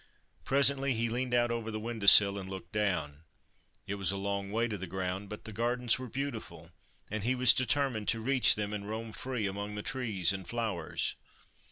Presently, he leaned out over the window sill and looked down. It was a long way to the ground, but the gardens were beautiful, and he was determined to reach them and roam free among the trees and flowers.